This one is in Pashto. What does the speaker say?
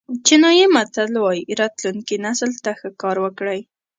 چینایي متل وایي راتلونکي نسل ته ښه کار وکړئ.